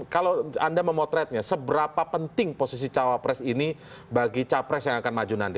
kalau anda memotretnya seberapa penting posisi cawapres ini bagi capres yang akan maju nanti